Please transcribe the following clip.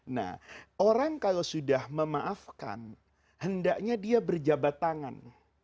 nah orang kalau sudah memaafkan hendaknya dia berjabat tangan